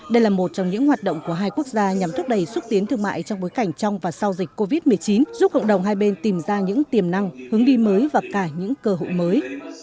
đây là một trong những hoạt động của hai quốc gia nhằm thúc đẩy xúc tiến thương mại trong bối cảnh trong và sau dịch covid một mươi chín giúp cộng đồng hai bên tìm ra những tiềm năng hướng đi mới và cả những cơ hội mới